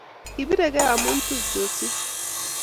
Kipiregei amu tupcheshek